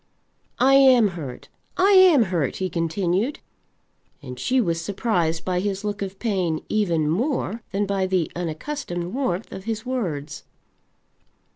"I am hurt; I am hurt," he continued. And she was surprised by his look of pain even more than by the unaccustomed warmth of his words.